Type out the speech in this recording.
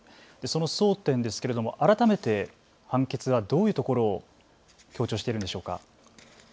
その争点ですが改めて判決はどういうところを強調しているんでしょうか。